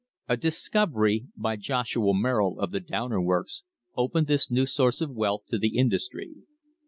A discovery by Joshua Merrill of the Downer works opened this new source of wealth to the indus try.